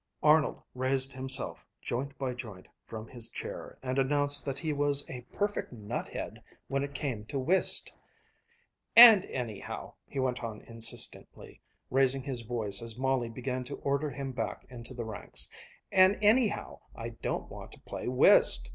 Arnold raised himself, joint by joint, from his chair, and announced that he was a perfect nut head when it came to whist. "And, anyhow," he went on insistently, raising his voice as Molly began to order him back into the ranks "And, anyhow, I don't want to play whist!